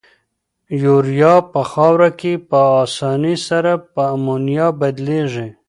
یوریا په خاوره کې په آساني سره په امونیا بدلیږي.